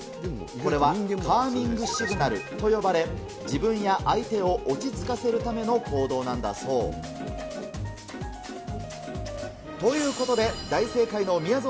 これはカーミングシグナルと呼ばれ、自分や相手を落ち着かせるための行動なんだそう。ということで、大正解のみやぞ